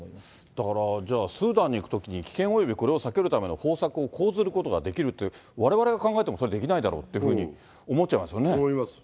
だから、じゃあスーダンに行くときに、危険およびこれを避けるための方策を講ずることができるって、われわれが考えてもそれはできないだろうっていうふうに思っちゃいそう思います。